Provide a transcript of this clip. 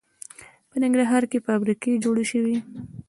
په ننګرهار کې فابریکې جوړې شوي